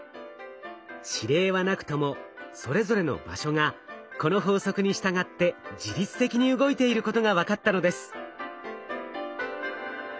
指令はなくともそれぞれの場所がこの法則に従って自律的に動いていることが分かったのです。